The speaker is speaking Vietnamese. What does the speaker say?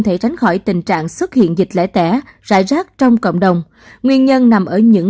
thể tránh khỏi tình trạng xuất hiện dịch lẻ tẻ rải rác trong cộng đồng nguyên nhân nằm ở những